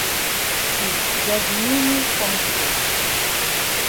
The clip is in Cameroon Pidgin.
Shu get new new kombi dem.